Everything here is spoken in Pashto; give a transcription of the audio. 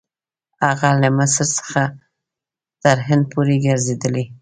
هغه له مصر څخه تر هند پورې ګرځېدلی.